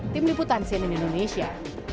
tim liputan sienan indonesia